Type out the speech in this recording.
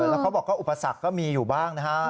แล้วเขาบอกว่าอุปสรรคก็มีอยู่บ้างนะฮะ